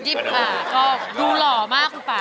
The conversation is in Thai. นี่ค่ะดูหล่อมากคุณป่า